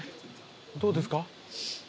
どうですか？